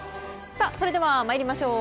それでは参りましょう。